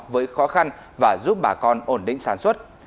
với khó khăn và giúp bà con ổn định sản xuất